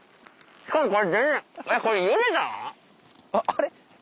あれ？